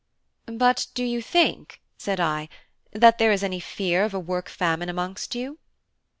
"But do you think," said I, "that there is any fear of a work famine amongst you?"